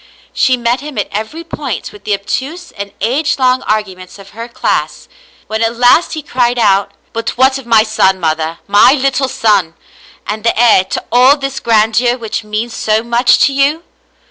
She met him at every point with the obtuse and age long arguments of her class. When at last he cried out, " But what of my son, mother, my little son, and the heir to all this grandeur which means so much to you